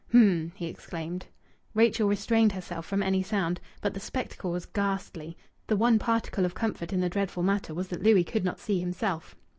"Hm!" he exclaimed. Rachel restrained herself from any sound. But the spectacle was ghastly. The one particle of comfort in the dreadful matter was that Louis could not see himself.